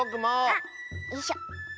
あっよいしょ。